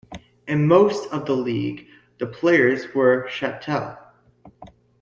In most of the league, the players were chattel.